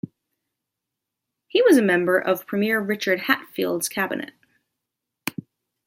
He was a member of Premier Richard Hatfield's cabinet.